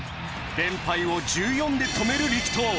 連敗を１４で止める力投。